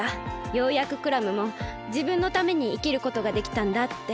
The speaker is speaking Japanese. ようやくクラムもじぶんのためにいきることができたんだって。